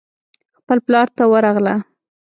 خپل پلار ته ورغله.